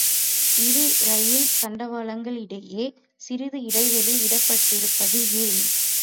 இரு இரயில் தண்டவாளங்களுக்கிடையே சிறிது இடைவெளி விடப்பட்டிருப்பது ஏன்?